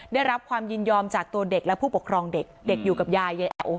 ได้รับความยินยอมจากตัวเด็กและผู้ปกครองเด็กเด็กอยู่กับยายยายแอ๋ว